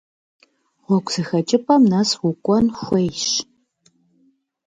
Гъуэгу зэхэкӏыпӏэм нэс укӏуэн хуейщ.